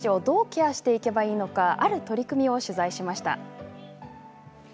そんな中、子どもたちをどうケアしていけばいいのかある取り組みを取材しました。